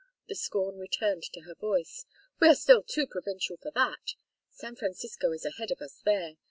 The scorn returned to her voice. "We are still too provincial for that. San Francisco is ahead of us there.